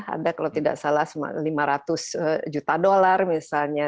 ada kalau tidak salah lima ratus juta dolar misalnya